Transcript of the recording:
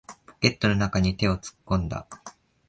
ポケットの中に手を突っ込んだ。